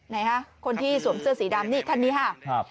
ไหนฮะคนที่สวมเสื้อสีดำนี่คันนี้ค่ะครับ